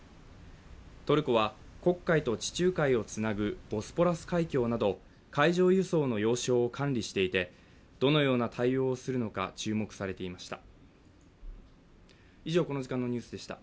トルコは、黒海と地中海をつなぐボスポラス海峡など海上輸送の要衝を管理していて、どのような対応をするのか注目されていました。